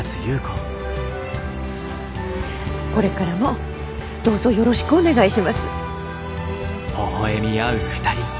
これからもどうぞよろしくお願いします。